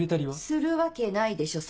するわけないでしょ